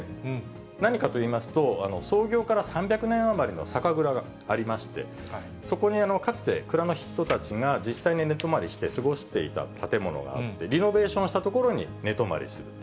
何かといいますと、創業から３００年余りの酒蔵がありまして、そこにかつて蔵の人たちが実際に寝泊まりして過ごしていた建物があって、リノベーションした所に寝泊まりすると。